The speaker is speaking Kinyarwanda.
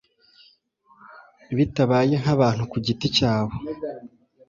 bitabaye nkabantu ku giti cyabo.